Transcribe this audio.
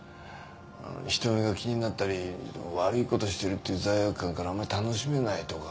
人目が気になったり悪い事をしてるっていう罪悪感からあんまり楽しめないとか。